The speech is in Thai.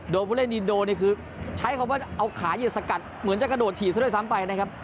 ผู้เล่นอินโดเนี่ยคือใช้คำว่าเอาขาเหยืดสกัดเหมือนจะกระโดดถีบซะด้วยซ้ำไปนะครับ